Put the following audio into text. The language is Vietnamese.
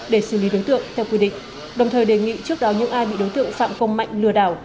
để xử lý đối tượng theo quy định đồng thời đề nghị trước đó những ai bị đối tượng phạm phong mạnh lừa đảo